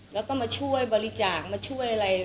แล้วก็มาช่วยบริจาคมาช่วยอะไร